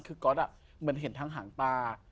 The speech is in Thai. คือก๊อตเหมือนเห็นทางหางตา